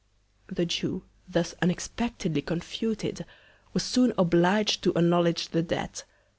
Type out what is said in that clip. The Jew thus unexpectedly confuted, was soon oblig'd to acknowledge the Debt.